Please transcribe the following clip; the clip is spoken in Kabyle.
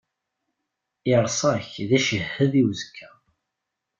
Irṣa-k d ccahed i uẓekka.